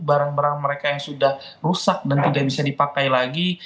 barang barang mereka yang sudah rusak dan tidak bisa dipakai lagi